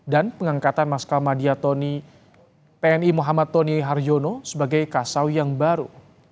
dan pengangkatan marskal madiatoni tni muhammad tony harjono sebagai kasau yang baru